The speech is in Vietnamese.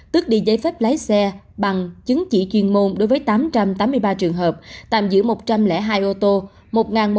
tức đi giấy phép lái xe bằng chứng chỉ chuyên môn đối với tám trăm tám mươi ba trường hợp tạm giữ một trăm linh hai triệu đồng